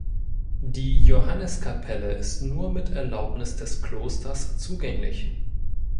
Die Johanneskapelle ist nur mit Erlaubnis des Klosters zugänglich.